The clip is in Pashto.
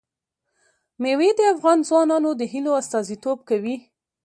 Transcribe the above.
مېوې د افغان ځوانانو د هیلو استازیتوب کوي.